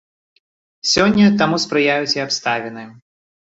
Сёння таму спрыяюць і абставіны.